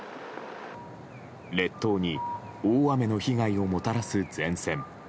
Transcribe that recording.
列島に大雨の被害をもたらす前線。